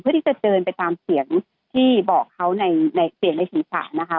ที่จะเดินไปตามเสียงที่บอกเขาในเสียงในศีรษะนะคะ